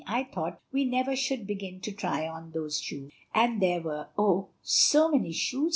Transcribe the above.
I thought we never should begin to try on those shoes, and then" "And there were, oh, so many shoes!"